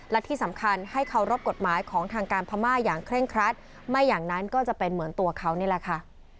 และที่สำคัญให้เคารพกฎหมายของทางการพม่าอย่างเคร่งครัดไม่อย่างนั้นก็จะเป็นเหมือนตัวเขานี่แหละค่ะ